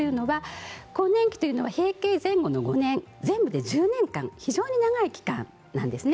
更年期というのは閉経前後の５年全部で１０年間非常に長い時間なんです。